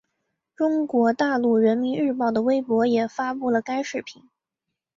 中国大陆人民日报的微博也发布了该视频。